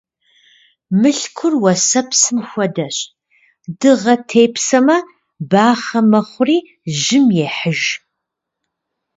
Мылъкур уэсэпсым хуэдэщ: дыгъэ тепсэмэ, бахъэ мэхъури, жьым ехьыж.